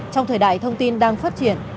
trong thời đại thông tin đang phát triển